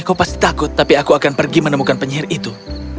kau pasti takut tapi aku akan pergi menemukan penyihir itu